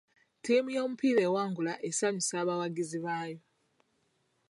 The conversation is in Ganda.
Ttiimu y'omupiira ewangula esanyusa abawagizi baayo.